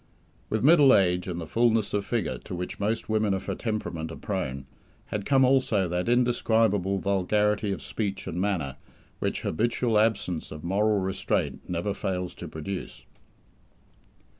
With middle age and the fullness of figure to which most women of her temperament are prone, had come also that indescribable vulgarity of speech and manner which habitual absence of moral restraint never fails to produce.